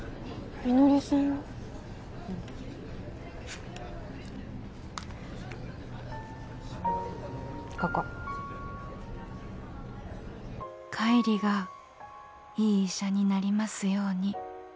うんここ「浬がいい医者になりますように」